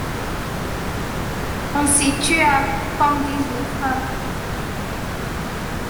On s’y tua, comme disent les femmes.